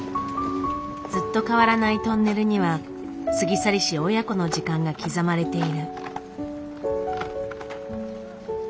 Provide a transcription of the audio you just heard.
ずっと変わらないトンネルには過ぎ去りし親子の時間が刻まれている。